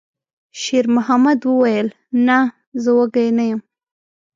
شېرمحمد وویل: «نه، زه وږی نه یم.»